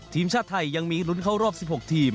ทีมชาติไทยยังมีลุ้นเข้ารอบ๑๖ทีม